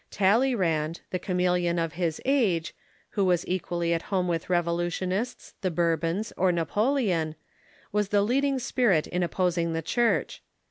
Talleyrand, the chameleon of his age, who was equally at home with Rev olutionists, the Bourbons, or Napoleon, was the leading spirit in opposing the Church.